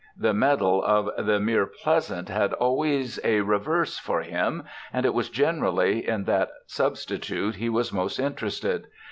The medal of the mere pleasant had always a reverse for him, and it was generally in that substitute he was most interested.